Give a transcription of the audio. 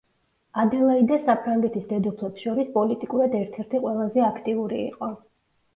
ადელაიდა საფრანგეთის დედოფლებს შორის პოლიტიკურად ერთ-ერთი ყველაზე აქტიური იყო.